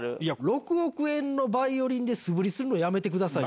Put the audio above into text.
「６億円のバイオリンで素振りするのやめてください」。